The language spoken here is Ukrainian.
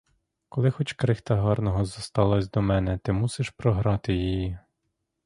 Коли хоч крихта гарного зосталась до мене, ти мусиш програти її.